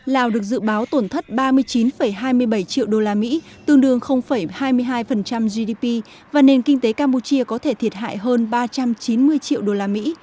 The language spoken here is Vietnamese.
lào được dự báo tổn thất ba mươi chín hai mươi bảy triệu usd tương đương hai mươi hai gdp và nền kinh tế campuchia có thể thiệt hại hơn ba trăm chín mươi triệu usd